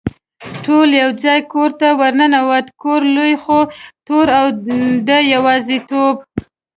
ټول یو ځای کور ته ور ننوتو، کور لوی خو تور او د یوازېتوب.